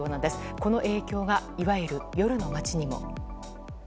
この影響が、いわゆる夜の街にも。